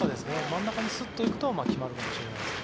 真ん中にスッと行くと決まるかもしれないですけど。